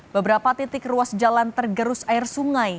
beberapa titik ruas jalan tergerus air sungai